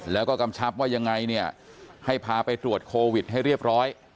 แล้วก็กำชับว่ายังไงเนี่ยให้พาไปตรวจโควิดให้เรียบร้อย